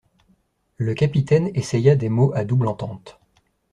Le capitaine essaya des mots à double entente.